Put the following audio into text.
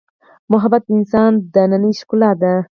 محبت د انسان دنننۍ ښکلا ده.